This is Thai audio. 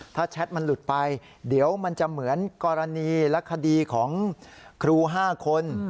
ถ้าแชทมันหลุดไปเดี๋ยวมันจะเหมือนกรณีและคดีของครู๕คน